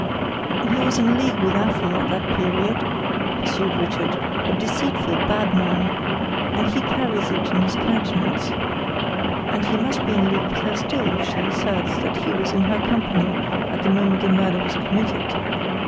"He was in league with Afy, at that period," pursued Richard; "a deceitful, bad man; and he carries it in his countenance. And he must be in league with her still, if she asserts that he was in her company at the moment the murder was committed.